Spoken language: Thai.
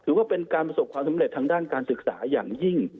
ถือว่าเป็นการประสบความสำเร็จทางด้านการศึกษาอย่างยิ่ง